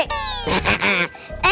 ini tuh pak